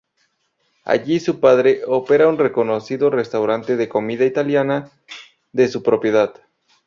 Allí su padre opera un reconocido restaurante de comida italiana, de su propiedad.